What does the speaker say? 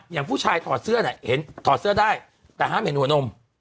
อย่างผู้ชายถอดเสื้อได้แต่ห้ามเห็นหัวนม